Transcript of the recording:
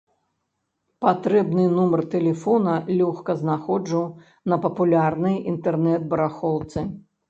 Патрэбны нумар тэлефона лёгка знаходжу на папулярнай інтэрнэт-барахолцы.